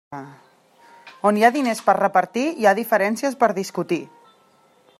On hi ha diners per a repartir, hi ha diferències per discutir.